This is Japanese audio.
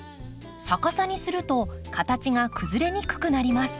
逆さにすると形が崩れにくくなります。